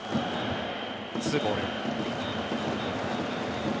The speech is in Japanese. ２ボール。